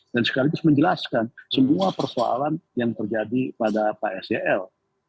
sekaligus menjelaskan semua persoalan yang terjadi pada pak sel